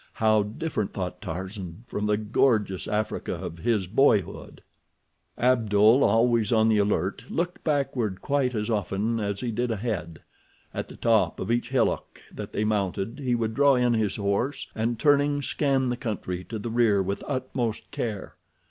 How different, thought Tarzan, from the gorgeous Africa of his boyhood! Abdul, always on the alert, looked backward quite as often as he did ahead. At the top of each hillock that they mounted he would draw in his horse and, turning, scan the country to the rear with utmost care.